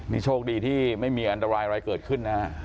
นี่โชคดีที่ไม่มีอันตรายอะไรเกิดขึ้นนะฮะ